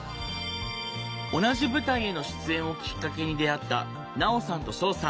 同じ舞台への出演をきっかけに出会ったナオさんとショウさん。